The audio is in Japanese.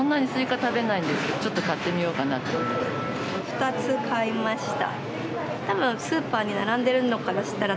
２つ買いました。